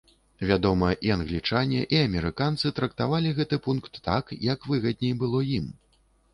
Вядома, і англічане і амерыканцы трактавалі гэты пункт так, як выгадней было ім.